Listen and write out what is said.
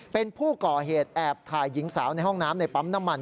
เป็นผู้ก่อเหตุแอบถ่ายหญิงสาวในห้องน้ำในปั๊มน้ำมัน